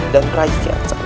dan raya canta